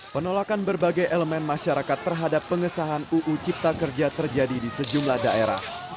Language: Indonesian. penolakan berbagai elemen masyarakat terhadap pengesahan uu cipta kerja terjadi di sejumlah daerah